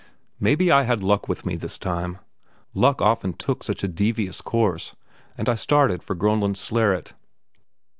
Maybe I had luck with me this time. Luck often took such a devious course, and I started for Groenlandsleret.